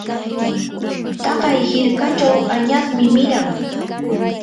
taqay hirkachaw añasmi miran.